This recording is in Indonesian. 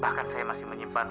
bahkan saya masih menyimpan